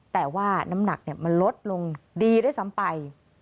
แต่ว่าน้ำหนักมันลดลงดีด้วยซ้ำไป